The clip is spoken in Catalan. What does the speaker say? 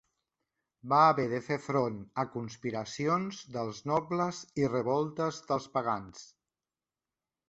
Va haver de fer front a conspiracions dels nobles i revoltes dels pagans.